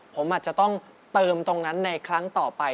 ผมอาจจะต้องเติมตรงนั้นในครั้งต่อไป